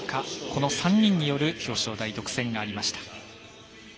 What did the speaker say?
この３人による表彰台独占がありました。